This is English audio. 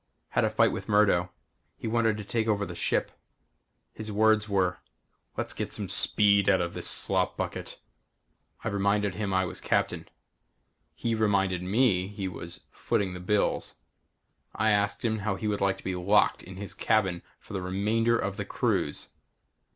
Had a fight with Murdo. He wanted to take over the ship. His words were, "Let's get some speed out of this slop bucket." I reminded him I was Captain. He reminded me he was footing the bills. I asked him how he would like to be locked in his cabin for the remainder of the cruise?